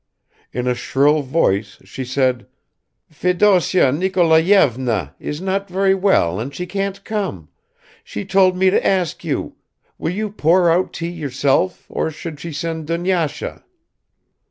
In a shrill voice she said, "Fedosya Nikolayevna is not very well and she can't come; she told me to ask you, will you pour out tea yourself or should she send Dunyasha?"